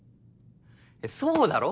そうだろ？